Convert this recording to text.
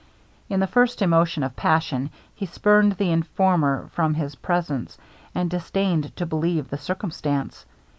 In the first emotion of passion, he spurned the informer from his presence, and disdained to believe the circumstance.